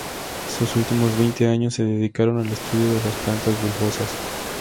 Sus últimos veinte años se dedicaron al estudio de las plantas bulbosas.